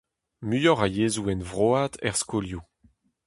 Muioc'h a yezhoù henvroat er skolioù.